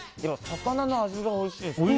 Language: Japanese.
魚の味がおいしいですね。